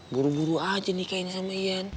buru buru aja nikahin sama ian